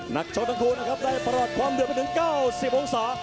นักชกทั้งคู่นะครับได้ประหลอดความเดือดไปถึง๙๐องศา